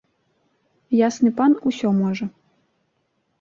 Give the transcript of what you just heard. Ясны пан усё можа.